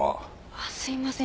あっすいません。